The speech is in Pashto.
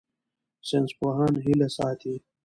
ساینسپوهان هیله ساتي.